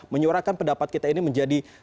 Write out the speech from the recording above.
menyuarakan pendapat kita ini menjadi